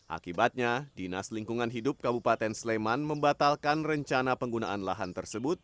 akibatnya dinas lingkungan hidup kabupaten sleman membatalkan rencana penggunaan lahan tersebut